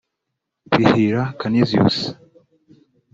Bihira Canisius